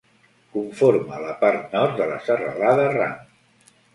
Conforma la part nord de la Serralada Ram.